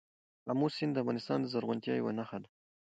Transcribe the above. آمو سیند د افغانستان د زرغونتیا یوه نښه ده.